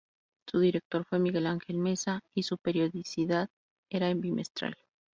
Su director fue Miguel Ángel Meza y su periodicidad era bimestral.